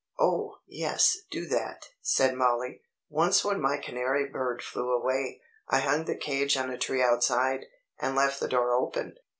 "Oh, yes, do that," said Mollie. "Once when my canary bird flew away, I hung the cage on a tree outside, and left the door open.